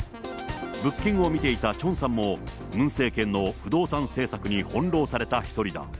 物件を見ていたチョンさんも、ムン政権の不動産政策に翻弄された一人だ。